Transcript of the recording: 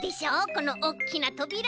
このおっきなとびら。